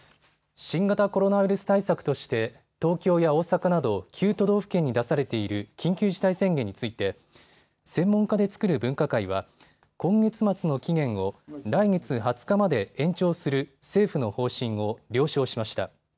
新型コロナウイルス対策として東京や大阪など９都道府県に出されている緊急事態宣言について専門家で作る分科会は今月末の期限を来月２０日まで延長する政府の方針を了承しました。